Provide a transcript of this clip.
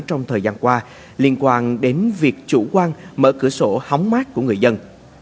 trong thời gian qua liên quan đến việc chủ quan mở cửa sổ hóng mát của người dân